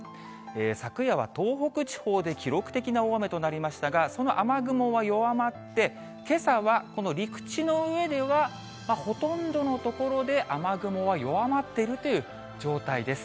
昨夜は東北地方で記録的な大雨となりましたが、その雨雲は弱まって、けさはこの陸地の上では、ほとんどの所で雨雲は弱まっているという状態です。